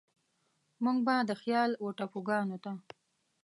موږ به د خيال و ټاپوګانوته،